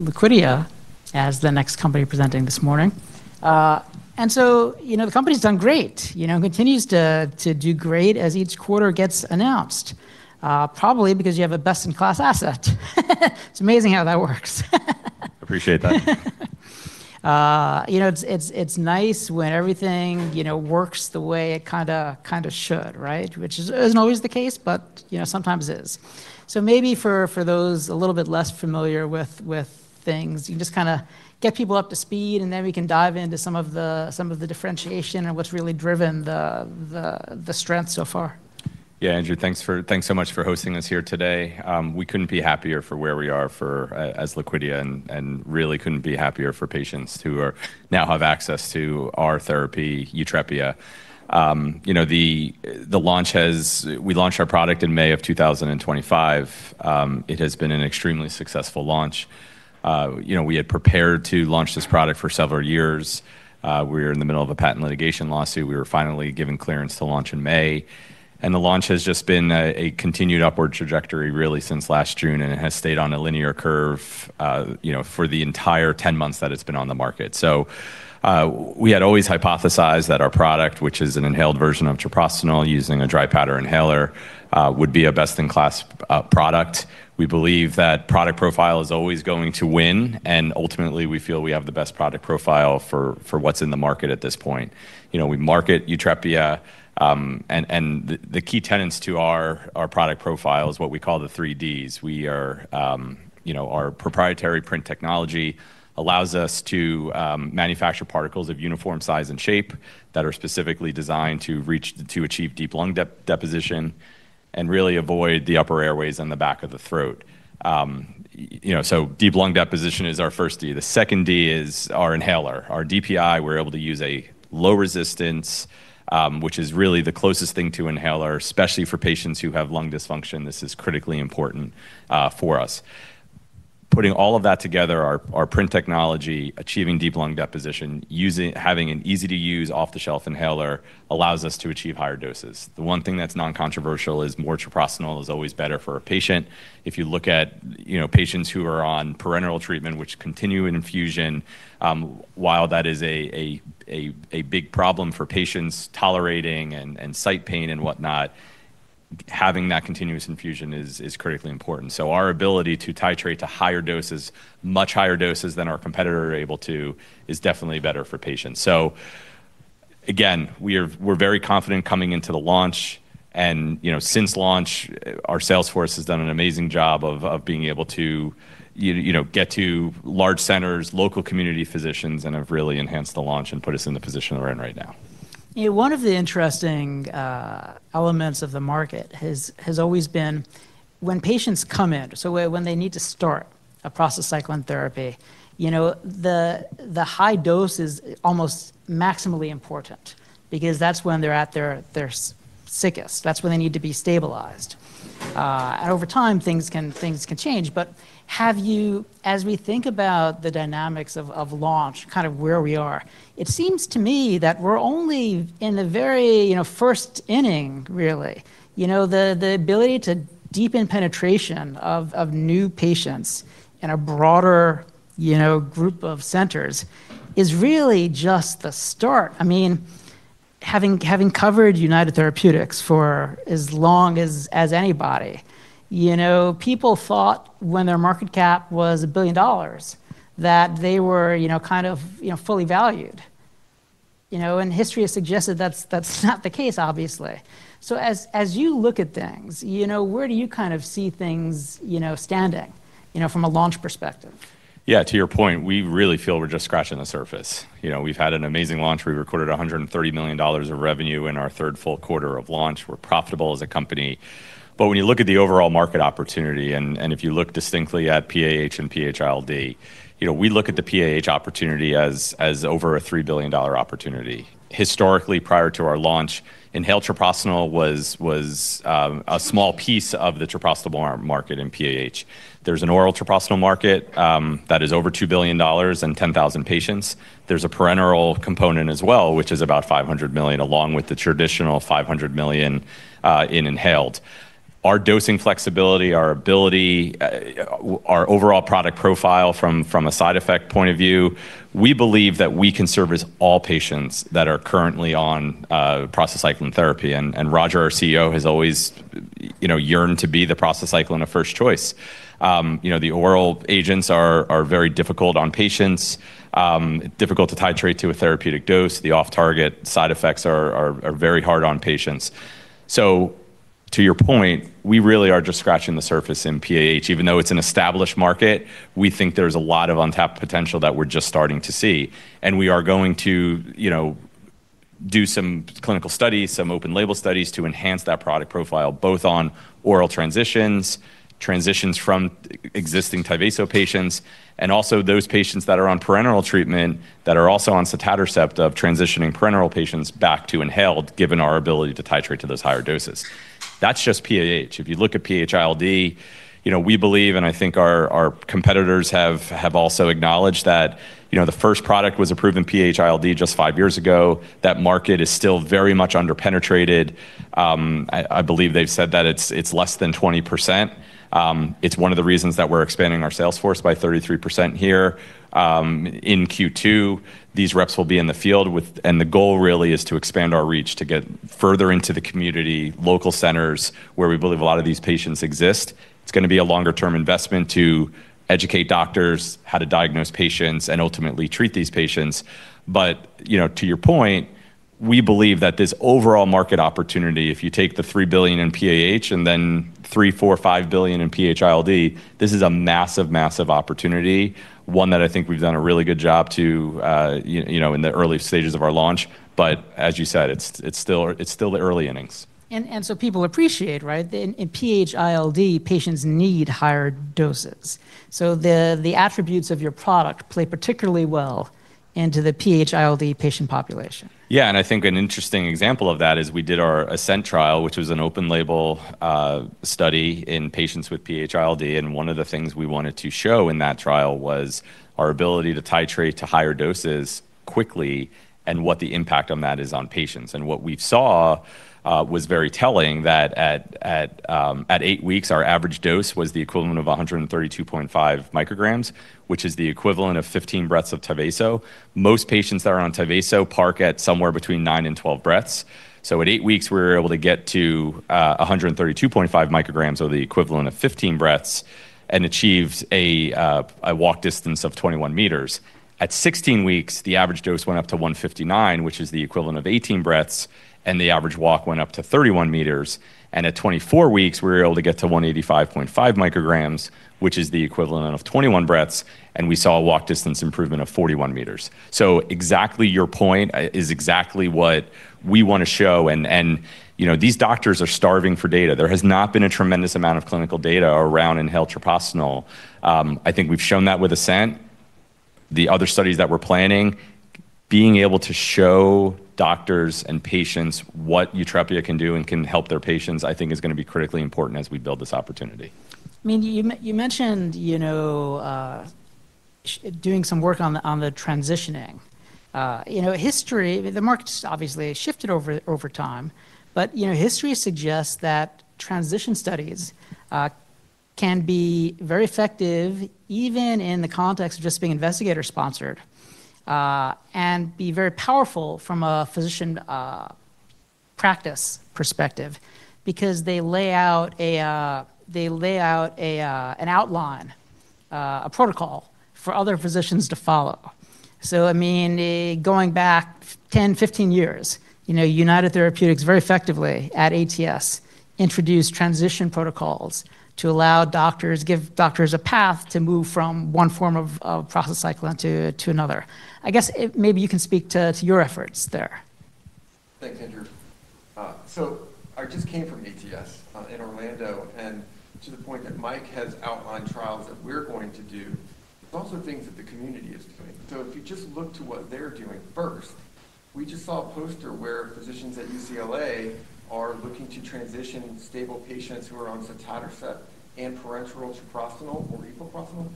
Liquidia as the next company presenting this morning. You know, the company's done great, you know, continues to do great as each quarter gets announced, probably because you have a best-in-class asset. It's amazing how that works. Appreciate that. You know, it's nice when everything, you know, works the way it kinda should, right? Which isn't always the case, but, you know, sometimes is. Maybe for those a little bit less familiar with things, you can just kinda get people up to speed, and then we can dive into some of the differentiation and what's really driven the strength so far. Yeah, Andrew, thanks so much for hosting us here today. We couldn't be happier for where we are for as Liquidia and really couldn't be happier for patients who are now have access to our therapy, YUTREPIA. You know, we launched our product in May of 2025. It has been an extremely successful launch. You know, we had prepared to launch this product for several years. We were in the middle of a patent litigation lawsuit. We were finally given clearance to launch in May, and the launch has just been a continued upward trajectory really since last June, and it has stayed on a linear curve, you know, for the entire 10 months that it's been on the market. We had always hypothesized that our product, which is an inhaled version of treprostinil using a dry powder inhaler, would be a best-in-class product. We believe that product profile is always going to win, and ultimately, we feel we have the best product profile for what's in the market at this point. You know, we market YUTREPIA, and the key tenets to our product profile is what we call the three Ds. We are, you know, our proprietary PRINT technology allows us to manufacture particles of uniform size and shape that are specifically designed to achieve deep lung deposition and really avoid the upper airways and the back of the throat. You know, deep lung deposition is our first D. The second D is our inhaler. Our DPI, we're able to use a low resistance, which is really the closest thing to inhaler, especially for patients who have lung dysfunction. This is critically important for us. Putting all of that together, our PRINT technology, achieving deep lung deposition, having an easy-to-use, off-the-shelf inhaler allows us to achieve higher doses. The one thing that's non-controversial is more treprostinil is always better for a patient. If you look at, you know, patients who are on parenteral treatment, which continue an infusion, while that is a big problem for patients tolerating and site pain and whatnot, having that continuous infusion is critically important. Our ability to titrate to higher doses, much higher doses than our competitor are able to, is definitely better for patients. Again, we're very confident coming into the launch and, you know, since launch, our sales force has done an amazing job of being able to, you know, get to large centers, local community physicians and have really enhanced the launch and put us in the position we're in right now. Yeah, one of the interesting elements of the market has always been when patients come in, so when they need to start a prostacyclin therapy, you know, the high dose is almost maximally important because that's when they're at their sickest. That's when they need to be stabilized. Over time, things can change. As we think about the dynamics of launch, kind of where we are, it seems to me that we're only in the very, you know, first inning really. You know, the ability to deepen penetration of new patients in a broader, you know, group of centers is really just the start. I mean, having covered United Therapeutics for as anybody, you know, people thought when their market cap was $1 billion, that they were, you know, kind of, you know, fully valued. You know, history has suggested that's not the case, obviously. As you look at things, you know, where do you kind of see things, you know, standing, you know, from a launch perspective? Yeah, to your point, we really feel we're just scratching the surface. You know, we've had an amazing launch. We recorded $130 million of revenue in our third full quarter of launch. We're profitable as a company. When you look at the overall market opportunity, and if you look distinctly at PAH and PH-ILD, you know, we look at the PAH opportunity as over a $3 billion opportunity. Historically, prior to our launch, inhaled treprostinil was a small piece of the treprostinil overall market in PAH. There's an oral treprostinil market that is over $2 billion and 10,000 patients. There's a parenteral component as well, which is about $500 million, along with the traditional $500 million in inhaled. Our dosing flexibility, our ability, our overall product profile from a side effect point of view, we believe that we can service all patients that are currently on prostacyclin therapy. Roger, our CEO, has always, you know, yearned to be the prostacyclin of first choice. You know, the oral agents are very difficult on patients, difficult to titrate to a therapeutic dose. The off-target side effects are very hard on patients. To your point, we really are just scratching the surface in PAH. Even though it's an established market, we think there's a lot of untapped potential that we're just starting to see. We are going to, you know, do some clinical studies, some open label studies to enhance that product profile, both on oral transitions from existing TYVASO patients, and also those patients that are on parenteral treatment that are also on sotatercept of transitioning parenteral patients back to inhaled, given our ability to titrate to those higher doses. That's just PAH. If you look at PH-ILD, you know, we believe, and I think our competitors have also acknowledged that, you know, the first product was approved in PH-ILD just five years ago. That market is still very much under-penetrated. I believe they've said that it's less than 20%. It's one of the reasons that we're expanding our sales force by 33% here in Q2. The goal really is to expand our reach to get further into the community, local centers where we believe a lot of these patients exist. It's gonna be a longer-term investment to educate doctors how to diagnose patients and ultimately treat these patients. You know, to your point, we believe that this overall market opportunity, if you take the $3 billion in PAH and then $3 billion, $4 billion, $5 billion in PH-ILD, this is a massive opportunity, one that I think we've done a really good job to, you know, in the early stages of our launch. As you said, it's still the early innings. People appreciate, right? In PH-ILD, patients need higher doses. The attributes of your product play particularly well into the PH-ILD patient population. Yeah. I think an interesting example of that is we did our ASCENT trial, which was an open-label study in patients with PH-ILD. One of the things we wanted to show in that trial was our ability to titrate to higher doses quickly and what the impact on that is on patients. What we saw was very telling that at eight weeks, our average dose was the equivalent of 132.5 mcg, which is the equivalent of 15 breaths of TYVASO. Most patients that are on TYVASO park at somewhere between nine and 12 breaths. At eight weeks, we were able to get to 132.5 mcg, or the equivalent of 15 breaths, and achieved a walk distance of 21 m. At 16 weeks, the average dose went up to 159 mcg, which is the equivalent of 18 breaths, and the average walk went up to 31 m. At 24 weeks, we were able to get to 185.5 mcg, which is the equivalent of 21 breaths, and we saw a walk distance improvement of 41 m. Exactly your point is exactly what we wanna show and, you know, these doctors are starving for data. There has not been a tremendous amount of clinical data around inhaled treprostinil. I think we've shown that with ASCENT. The other studies that we're planning, being able to show doctors and patients what YUTREPIA can do and can help their patients, I think is gonna be critically important as we build this opportunity. I mean, you mentioned, you know, doing some work on the transitioning. You know, history, the market's obviously shifted over time, but, you know, history suggests that transition studies can be very effective even in the context of just being investigator-sponsored, and be very powerful from a physician practice perspective because they lay out an outline, a protocol for other physicians to follow. I mean, going back 10-15 years, you know, United Therapeutics very effectively at ATS introduced transition protocols to allow doctors, give doctors a path to move from one form of prostacyclin to another. Maybe you can speak to your efforts there. Thanks, Andrew. I just came from ATS in Orlando, and to the point that Mike has outlined trials that we're going to do, there's also things that the community is doing. If you just look to what they're doing first, we just saw a poster where physicians at UCLA are looking to transition stable patients who are on sotatercept and parenteral treprostinil or epoprostenol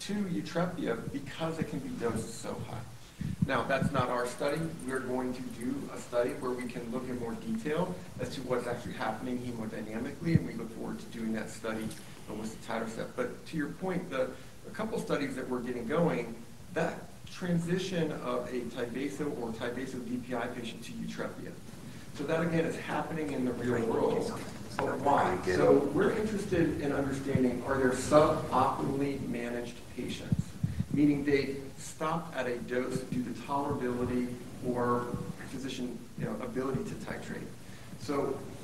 to YUTREPIA because it can be dosed so high. Now, that's not our study. We're going to do a study where we can look in more detail as to what's actually happening hemodynamically, and we look forward to doing that study with sotatercept. To your point, the, a couple studies that we're getting going, that transition of a TYVASO or TYVASO DPI patient to YUTREPIA. That, again, is happening in the real world. Why? We're interested in understanding, are there suboptimally managed patients? Meaning they stop at a dose due to tolerability or physician, you know, ability to titrate.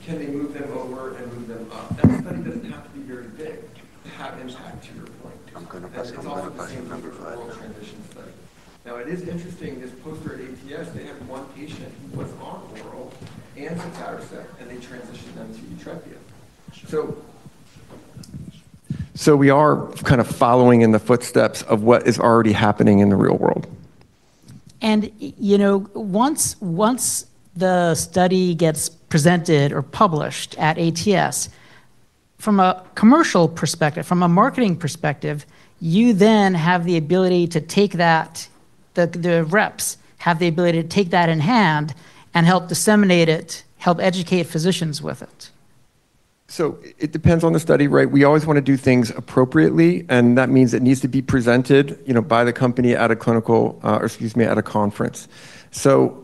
Can they move them over and move them up? That study doesn't have to be very big to have impact, to your point. It's all through the same real-world transition study. Now, it is interesting, this poster at ATS, they have one patient who was on oral and sotatercept, and they transitioned them to YUTREPIA. We are kind of following in the footsteps of what is already happening in the real world. You know, once the study gets presented or published at ATS, from a commercial perspective, from a marketing perspective, you then have the ability to take that, the reps have the ability to take that in hand and help disseminate it, help educate physicians with it. It depends on the study, right? We always wanna do things appropriately, and that means it needs to be presented, you know, by the company at a clinical, or excuse me, at a conference.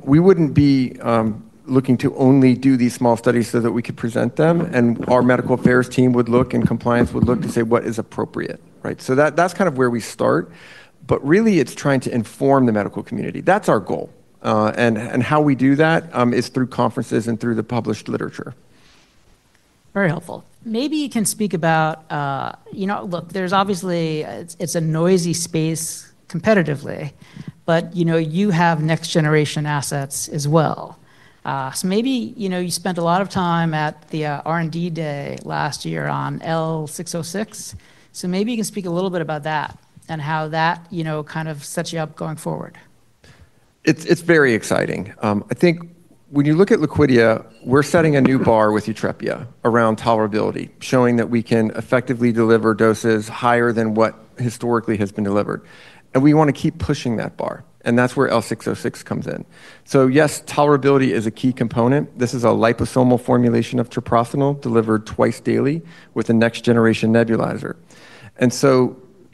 We wouldn't be looking to only do these small studies so that we could present them, and our medical affairs team would look and compliance would look to say what is appropriate, right? That, that's kind of where we start. Really, it's trying to inform the medical community. That's our goal. And how we do that is through conferences and through the published literature. Very helpful. Maybe you can speak about, you know, look, there's obviously, it's a noisy space competitively. You know, you have next-generation assets as well. Maybe, you know, you spent a lot of time at the R&D day last year on L606, so maybe you can speak a little bit about that and how that, you know, kind of sets you up going forward. It's very exciting. I think when you look at Liquidia, we're setting a new bar with YUTREPIA around tolerability, showing that we can effectively deliver doses higher than what historically has been delivered. We wanna keep pushing that bar, and that's where L606 comes in. Yes, tolerability is a key component. This is a liposomal formulation of treprostinil delivered twice daily with a next-generation nebulizer.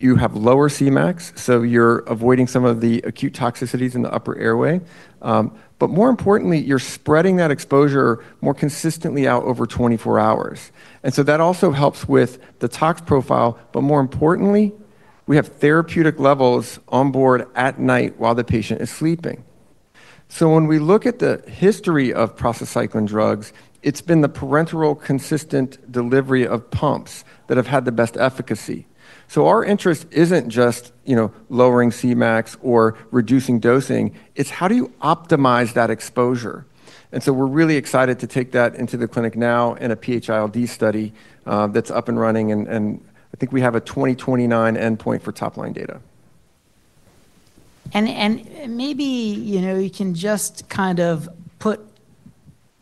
You have lower Cmax, so you're avoiding some of the acute toxicities in the upper airway. More importantly, you're spreading that exposure more consistently out over 24 hours. That also helps with the tox profile, but more importantly, we have therapeutic levels on board at night while the patient is sleeping. When we look at the history of prostacyclin drugs, it's been the parenteral consistent delivery of pumps that have had the best efficacy. Our interest isn't just, you know, lowering Cmax or reducing dosing, it's how do you optimize that exposure? We're really excited to take that into the clinic now in a PH-ILD study, that's up and running and I think we have a 2029 endpoint for top-line data. Maybe, you know, you can just kind of put,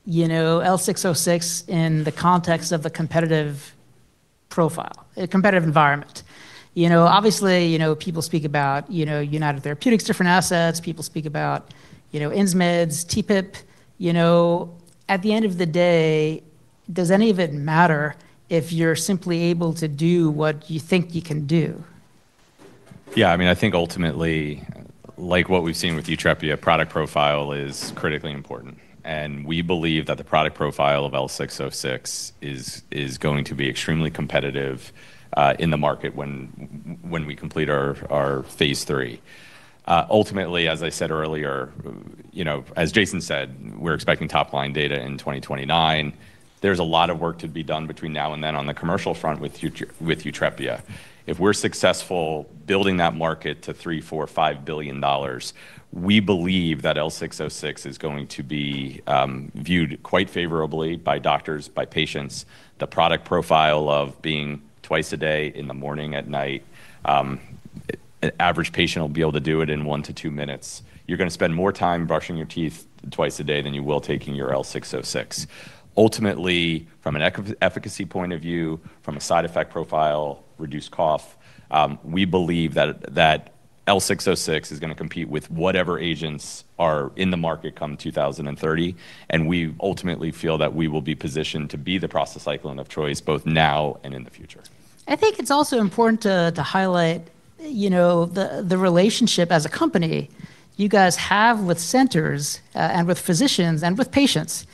you know, L606 in the context of the competitive profile, a competitive environment. You know, obviously, you know, people speak about, you know, United Therapeutics' different assets. People speak about, you know, Insmed's TPIP. You know, at the end of the day, does any of it matter if you're simply able to do what you think you can do? Yeah, I mean, I think ultimately, like what we've seen with YUTREPIA, product profile is critically important, and we believe that the product profile of L606 is going to be extremely competitive in the market when we complete our phase III. Ultimately, as I said earlier, you know, as Jason said, we're expecting top-line data in 2029. There's a lot of work to be done between now and then on the commercial front with YUTREPIA. If we're successful building that market to $3 billion, $4 billion, $5 billion, we believe that L606 is going to be viewed quite favorably by doctors, by patients. The product profile of being twice a day in the morning, at night, an average patient will be able to do it in one to two minutes. You're gonna spend more time brushing your teeth twice a day than you will taking your L606. Ultimately, from an efficacy point of view, from a side effect profile, reduced cough, we believe that L606 is gonna compete with whatever agents are in the market come 2030, and we ultimately feel that we will be positioned to be the prostacyclin of choice both now and in the future. I think it's also important to highlight, you know, the relationship as a company you guys have with centers, and with physicians, and with patients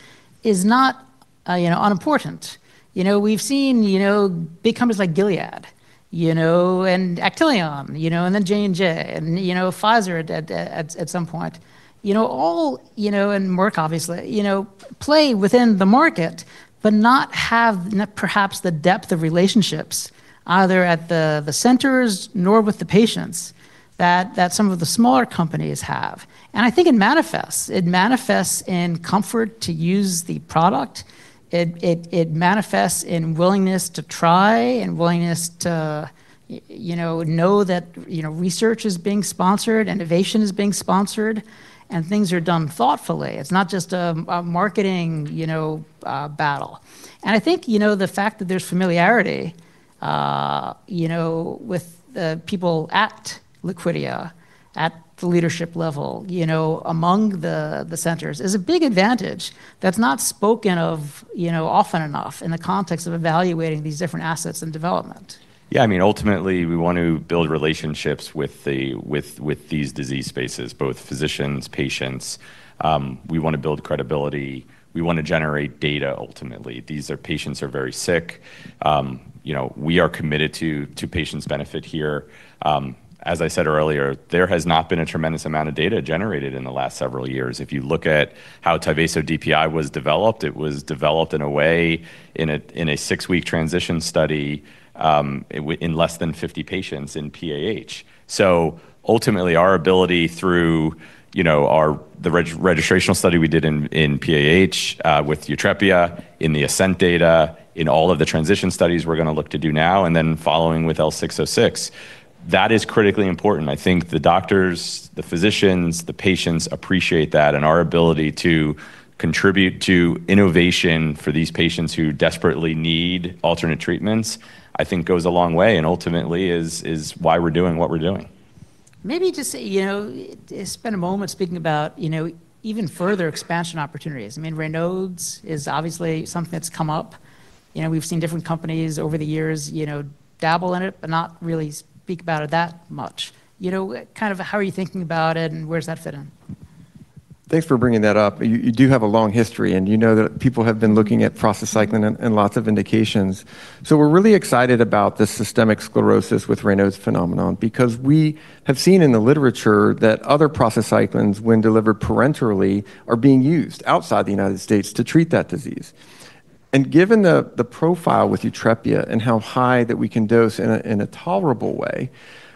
is not, you know, unimportant. You know, we've seen, you know, big companies like Gilead, you know, and Actelion, you know, and then J&J, and, you know, Pfizer at some point. You know, all, you know, and Merck obviously, you know, play within the market, but not have perhaps the depth of relationships either at the centers nor with the patients that some of the smaller companies have, and I think it manifests. It manifests in the comfort of using the product. It manifests in willingness to try and willingness to you know that, you know, research is being sponsored, innovation is being sponsored, and things are done thoughtfully. It's not just a marketing, you know, battle. I think, you know, the fact that there's familiarity, you know, with the people at Liquidia at the leadership level, you know, among the centers is a big advantage that's not spoken of, you know, often enough in the context of evaluating these different assets and development. I mean, ultimately, we want to build relationships with these disease spaces, both physicians, patients. We wanna build credibility. We wanna generate data ultimately. These are patients are very sick. You know, we are committed to patients' benefit here. As I said earlier, there has not been a tremendous amount of data generated in the last several years. If you look at how TYVASO DPI was developed, it was developed in a way in a six-week transition study, in less than 50 patients in PAH. Ultimately, our ability through, you know, the registrational study we did in PAH, with YUTREPIA, in the ASCENT data, in all of the transition studies we're gonna look to do now, and then following with L606, that is critically important. I think the doctors, the physicians, the patients appreciate that, and our ability to contribute to innovation for these patients who desperately need alternate treatments, I think goes a long way and ultimately is why we're doing what we're doing. Maybe just, you know, spend a moment speaking about, you know, even further expansion opportunities. I mean, Raynaud's is obviously something that's come up. You know, we've seen different companies over the years, you know, dabble in it, but not really speak about it that much. You know, kind of how are you thinking about it, and where does that fit in? Thanks for bringing that up. You do have a long history, and you know that people have been looking at prostacyclin in lots of indications. We're really excited about the systemic sclerosis with Raynaud's phenomenon because we have seen in the literature that other prostacyclins, when delivered parenterally, are being used outside the United States to treat that disease. Given the profile with YUTREPIA and how high that we can dose in a tolerable way,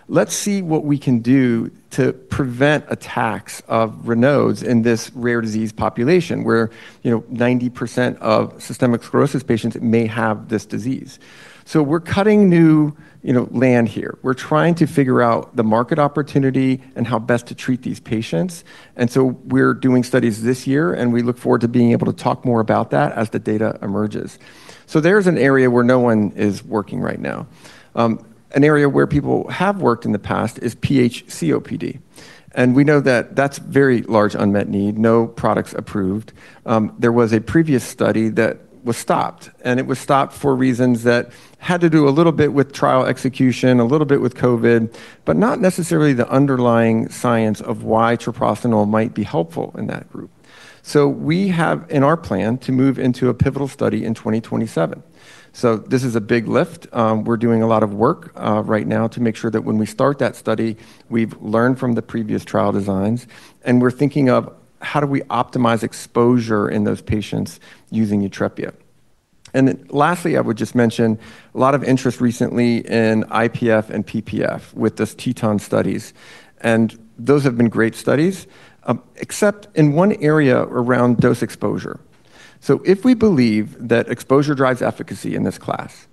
let's see what we can do to prevent attacks of Raynaud's in this rare disease population where, you know, 90% of systemic sclerosis patients may have this disease. We're cutting new, you know, land here. We're trying to figure out the market opportunity and how best to treat these patients, and so we're doing studies this year, and we look forward to being able to talk more about that as the data emerges. There's an area where no one is working right now. An area where people have worked in the past is PH-COPD, and we know that that's very large unmet need, no products approved. There was a previous study that was stopped, and it was stopped for reasons that had to do a little bit with trial execution, a little bit with COVID. Not necessarily the underlying science of why treprostinil might be helpful in that group. We have in our plan to move into a pivotal study in 2027. This is a big lift. We're doing a lot of work right now to make sure that when we start that study, we've learned from the previous trial designs, and we're thinking of how do we optimize exposure in those patients using YUTREPIA. Lastly, I would just mention a lot of interest recently in IPF and PPF with those TETON studies, and those have been great studies, except in one area around dose exposure. If we believe that exposure drives efficacy in this class,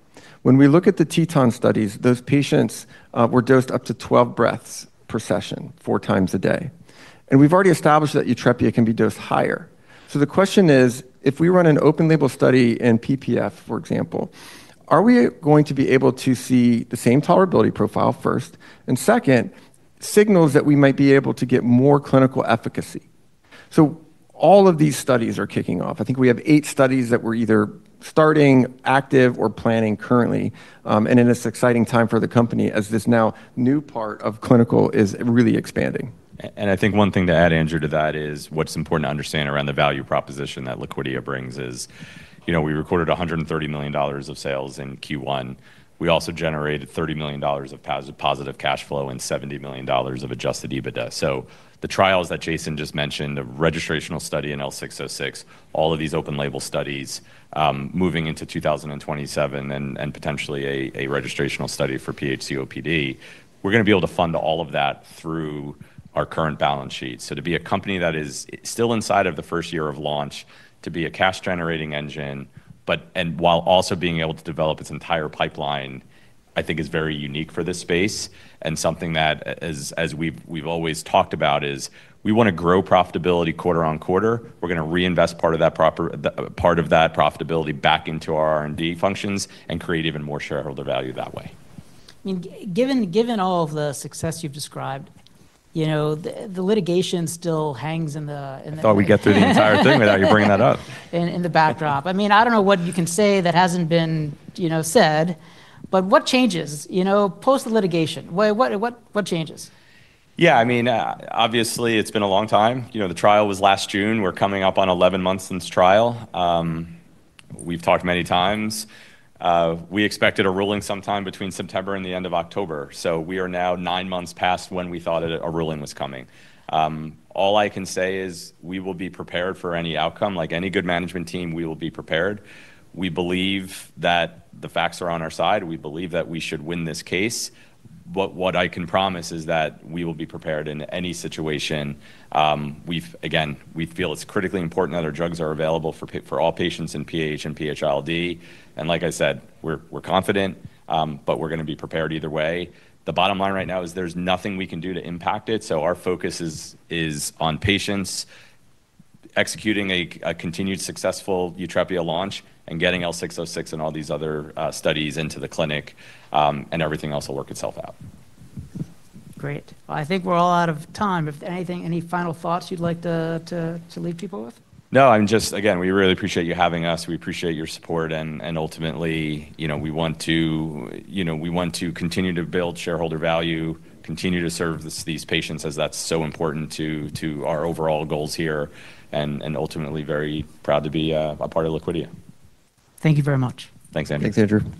when we look at the TETON studies, those patients were dosed up to 12 breaths per session, 4x a day. We've already established that YUTREPIA can be dosed higher. The question is, if we run an open-label study in PPF, for example, are we going to be able to see the same tolerability profile first, and second, signals that we might be able to get more clinical efficacy? All of these studies are kicking off. I think we have eight studies that we're either starting, active, or planning currently. It is exciting time for the company as this now new part of clinical is really expanding. I think one thing to add, Andrew, to that is what's important to understand around the value proposition that Liquidia brings is, you know, we recorded $130 million of sales in Q1. We also generated $30 million of positive cash flow and $70 million of adjusted EBITDA. The trials that Jason just mentioned, the registrational study in L606, all of these open-label studies, moving into 2027 and potentially a registrational study for PH-COPD, we're gonna be able to fund all of that through our current balance sheet. To be a company that is still inside of the first year of launch, to be a cash-generating engine, and while also being able to develop its entire pipeline, I think is very unique for this space and something that as we've always talked about is we wanna grow profitability quarter-on-quarter. We're gonna reinvest part of that profitability back into our R&D functions and create even more shareholder value that way. I mean, given all of the success you've described, you know, the litigation still hangs in the. I thought we'd get through the entire thing without you bringing that up. in the backdrop. I mean, I don't know what you can say that hasn't been, you know, said, but what changes, you know, post the litigation? What changes? I mean, obviously it's been a long time. You know, the trial was last June. We're coming up on 11 months since trial. We've talked many times. We expected a ruling sometime between September and the end of October. We are now nine months past when we thought a ruling was coming. All I can say is we will be prepared for any outcome. Like any good management team, we will be prepared. We believe that the facts are on our side. We believe that we should win this case. What I can promise is that we will be prepared in any situation. Again, we feel it's critically important that our drugs are available for all patients in PH and PH-ILD. Like I said, we're confident. We're gonna be prepared either way. The bottom line right now is there's nothing we can do to impact it, so our focus is on patients, executing a continued successful YUTREPIA launch, and getting L606 and all these other studies into the clinic, and everything else will work itself out. Great. Well, I think we're all out of time. If anything, any final thoughts you'd like to leave people with? Again, we really appreciate you having us. We appreciate your support, and ultimately, you know, we want to continue to build shareholder value, continue to serve these patients, as that's so important to our overall goals here, and ultimately very proud to be a part of Liquidia. Thank you very much. Thanks, Andrew. Thanks, Andrew.